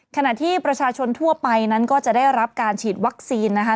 ขณะที่ประชาชนทั่วไปนั้นก็จะได้รับการฉีดวัคซีนนะคะ